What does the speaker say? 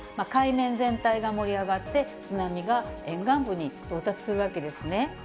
海面全体が盛り上がって、津波が沿岸部に到達するわけですね。